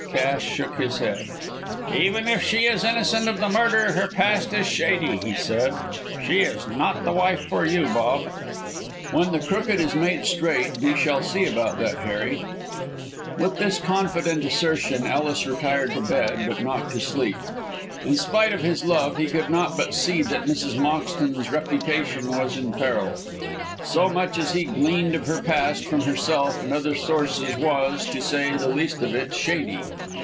Cass shook his head. "Even if she is innocent of the murder her past is shady," he said. "She is not the wife for you, Bob." "When the crooked is made straight we shall see about that, Harry." With this confident assertion Ellis retired to bed, but not to sleep. In spite of his love, he could not but see that Mrs. Moxton's reputation was in peril. So much as he had gleaned of her past from herself and other sources was, to say the least of it, shady.